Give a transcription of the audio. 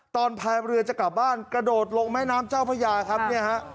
พายเรือจะกลับบ้านกระโดดลงแม่น้ำเจ้าพระยาครับเนี่ยฮะ